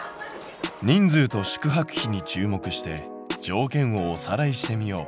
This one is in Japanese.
人数と宿泊費に注目して条件をおさらいしてみよう。